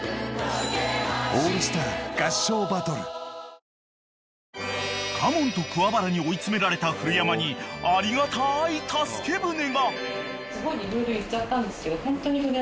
コリャ［嘉門と桑原に追い詰められた古山にありがたい助け舟が］